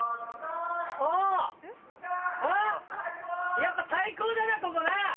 ・やっぱ最高だなここな！